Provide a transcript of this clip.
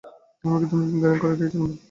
আমাকে তুমি ফিঙ্গারিং করে দিয়েছিলে বলবে?